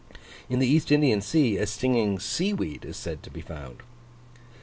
In the East Indian sea, a stinging sea weed is said to be found.